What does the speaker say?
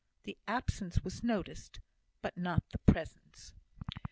The absence was noticed; but not the presence.